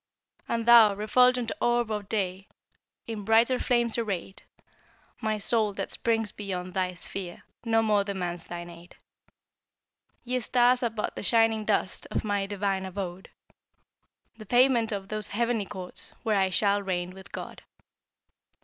And thou, refulgent Orb of Day, In brighter flames arrayed; My soul, that springs beyond thy sphere, No more demands thine aid. Ye stars are but the shining dust Of my divine abode, The pavement of those heavenly courts Where I shall reign with God.